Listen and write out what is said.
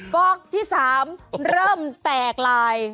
ก๊อกที่๓เริ่มแตกลาย